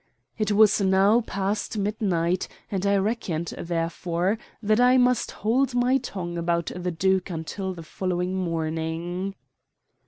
It was now past midnight, and I reckoned, therefore, that I must hold my tongue about the duke until the following morning.